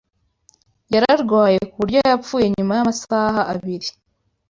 Yararwaye ku buryo yapfuye nyuma y'amasaha abiri.